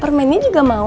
permennya juga mau